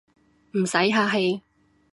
唔使客氣